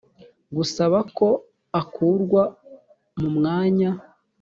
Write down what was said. gusaba ko akurwa mu mwanya